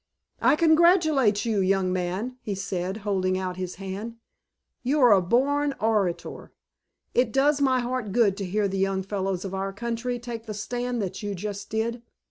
"I congratulate you, young man," he said, holding out his hand. "You are a born orator. It does my heart good to hear the young fellows of our country take the stand that you just did.